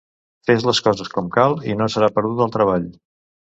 Fes les coses com cal i no serà perdut el treball.